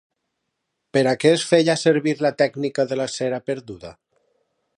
Per a què es feia servir la tècnica de la cera perduda?